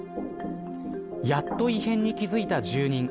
やっと異変に気づいた住人。